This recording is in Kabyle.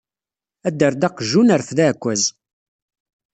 Adder-d aqjun, rfed aɛekkaz.